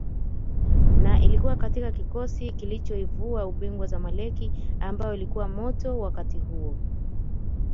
na alikuwa katika kikosi kilichoivua ubingwa Zamaleck ambayo ilikuwa moto wakati huo